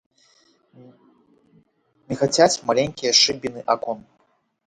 Мігацяць маленькія шыбіны акон.